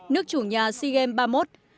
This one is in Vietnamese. nước chủ nhà sea games ba mươi một